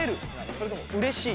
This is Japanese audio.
それともうれしい？